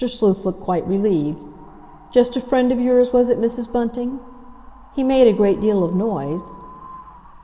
Sleuth looked quite relieved. "Just a friend of yours, was it, Mrs. Bunting? He made a great deal of noise."